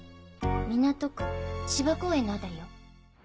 港区芝公園の辺りよ。